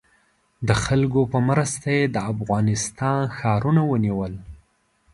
د خلکو په مرسته یې د افغانستان ښارونه ونیول.